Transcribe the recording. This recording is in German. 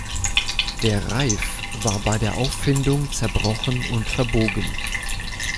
Der Reif war bei der Auffindung zerbrochen und verbogen.